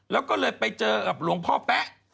แล้วก็เลยไปเจอกับหลวงพ่อแป๊ะ